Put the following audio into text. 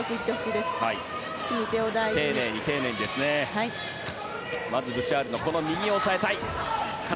まずブシャールの右を押さえたい。